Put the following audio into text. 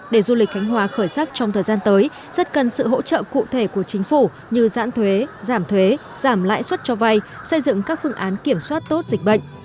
để du lịch khánh hòa khởi sắc trong thời gian tới rất cần sự hỗ trợ cụ thể của chính phủ như giãn thuế giảm thuế giảm lãi suất cho vay xây dựng các phương án kiểm soát tốt dịch bệnh